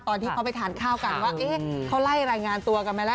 ตอนที่เขาไปทานข้าวกันว่าเขาไล่รายงานตัวกันไปแล้ว